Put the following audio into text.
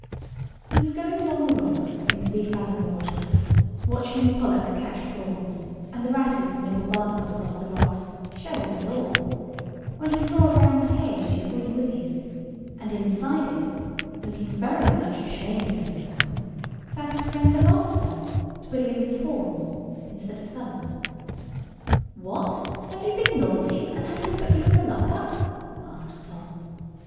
He was going along the rocks in three fathom water, watching the pollock catch prawns, and the wrasses nibble barnacles off the rocks, shells and all, when he saw a round cage of green withes; and inside it, looking very much ashamed of himself, sat his friend the lobster, twiddling his horns, instead of thumbs. [Picture: Tom, the lobster and otter] "What, have you been naughty, and have they put you in the lock up?" asked Tom.